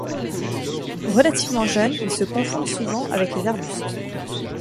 Relativement jeunes, ils se confondent souvent avec les arbustes.